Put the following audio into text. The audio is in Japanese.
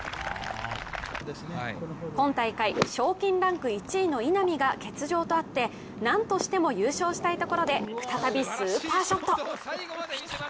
今大会、賞金ランク１位の稲見が欠場とあってなんとしても優勝したいところで再び、スーパーショット。